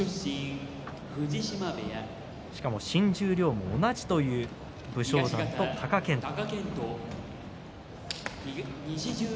しかも新十両も同じという武将山と貴健斗。